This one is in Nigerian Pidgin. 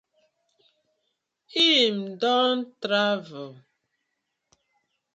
Him don travel.